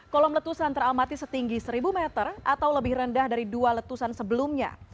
kolom letusan teramati setinggi seribu meter atau lebih rendah dari dua letusan sebelumnya